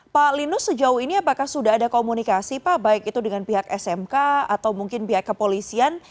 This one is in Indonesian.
pak linus sejauh ini apakah sudah ada komunikasi pak baik itu dengan pihak smk atau mungkin pihak kepolisian